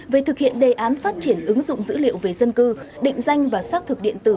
về thực hiện đề án phát triển ứng dụng dữ liệu về dân cư định danh và xác thực điện tử